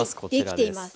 できています。